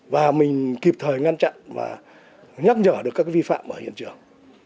và mình kịp thời ngăn chặn và nhắc nhở được các vi phạm ở hiện trường